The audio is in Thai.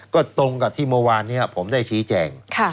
ก็ตรงกับที่เมื่อวานนี้ผมได้ชี้แจง